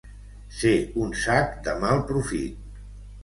Ser un sac de mal profit.